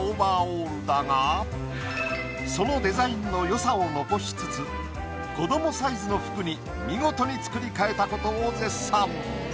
だがそのデザインの良さを残しつつ子どもサイズの服に見事に作り変えたことを絶賛。